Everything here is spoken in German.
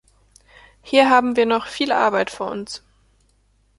Hier haben in wir noch viel Arbeit vor uns.